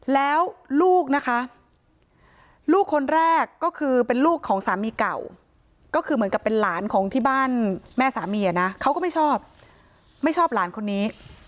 แล้วลูกนะคะลูกคนแรกก็คือเป็นลูกของสามีเก่าก็คือเหมือนกับเป็นหลานของที่บ้านแม่สามีนะเขาก็ไม่ชอบไม่ชอบหลานคนนี้